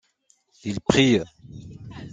Ils prient.